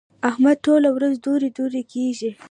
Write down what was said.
احمد ټوله ورځ دورې دورې کېږي.